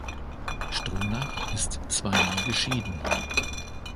Stronach ist zweimal geschieden.